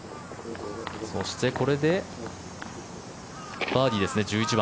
そして、これでバーディーですね、１１番。